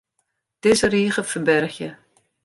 Dizze rige ferbergje.